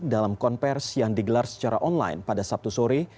dalam konversi yang digelar secara online pada sabtu sore